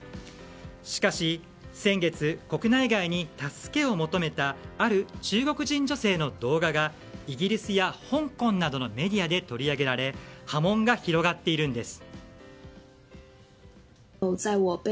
しかし先月国内外に助けを求めたある中国人女性の動画がイギリスや香港などのメディアで取り上げられ波紋が広がっているんです。